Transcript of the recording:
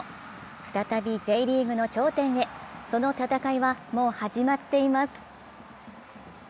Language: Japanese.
再びＪリーグの頂点へ、その戦いはもう始まっています。